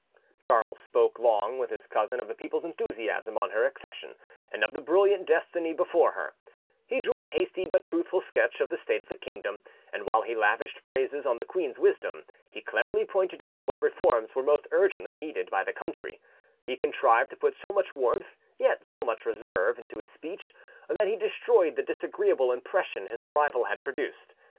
Charles spoke long with his cousin of the people's enthusiasm on her accession and of the brilliant destiny before her; he drew a hasty but truthful sketch of the state of the kingdom; and while he lavished praises on the queen's wisdom, he cleverly pointed out what reforms were most urgently needed by the country; he contrived to put so much warmth, yet so much reserve, into his speech that he destroyed the disagreeable impression his arrival had produced.